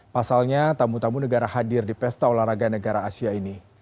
pasalnya tamu tamu negara hadir di pesta olahraga negara asia ini